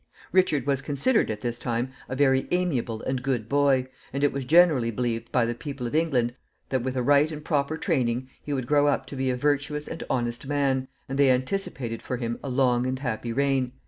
Richard was considered, at this time, a very amiable and good boy, and it was generally believed by the people of England that, with a right and proper training, he would grow up to be a virtuous and honest man, and they anticipated for him a long and happy reign.